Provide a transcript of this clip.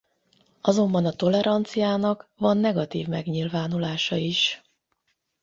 Azonban a toleranciának van negatív megnyilvánulása is.